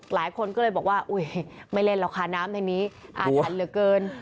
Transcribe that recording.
หลายคนก็เลยบอกว่าอุ๊ยไม่เล่นหรอกค่ะน้ำในนี้อาถรรพ์เหลือเกิน